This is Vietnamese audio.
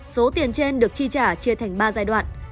số tiền trên được chi trả chia thành ba giai đoạn